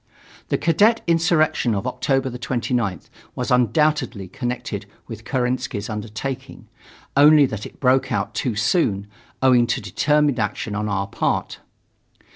The cadet insurrection of October 29th was undoubtedly connected with Kerensky's undertaking, only that it broke out too soon, owing to determined action on our part.